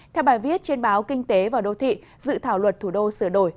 theo bài viết trên báo kinh tế và đô thị dự thảo luật thủ đô sửa đổi